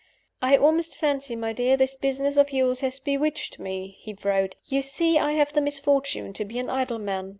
"I almost fancy, my dear, this business of yours has bewitched me," he wrote. "You see I have the misfortune to be an idle man.